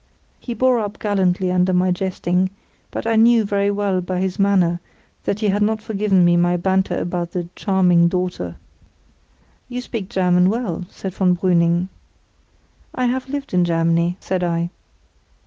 He bore up gallantly under my jesting, but I knew very well by his manner that he had not forgiven me my banter about the "charming daughter". "You speak German well," said von Brüning. "I have lived in Germany," said I.